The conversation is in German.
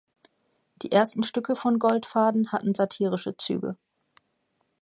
Die ersten Stücke von Goldfaden hatten satirische Züge.